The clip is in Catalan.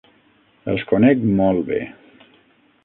Els conec molt bé.